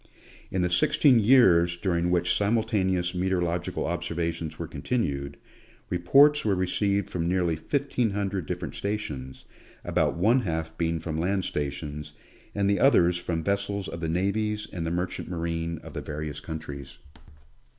In the sixteen years during which simultaneous meteorological observations were continued, reports were received from nearly fifteen hundred different stations, about one half being from land stations, and the others from vessels of the navies and the mer chant marine of the various countries.